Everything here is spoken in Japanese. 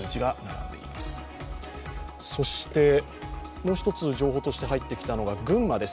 もう１つ、情報として入ってきたのが群馬です。